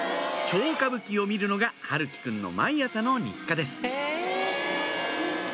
超歌舞伎を見るのが陽喜くんの毎朝の日課です